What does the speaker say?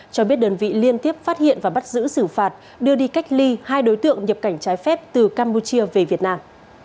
cho biết đơn vị liên tiếp phát hiện và bắt giữ xử phạt đưa đi cách ly hai đối tượng nhập cảnh trái phép từ campuchia về việt nam